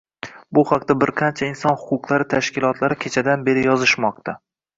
Bu haqda bir qancha inson huquqlari tashkilotlari kechadan beri yozishmoqda.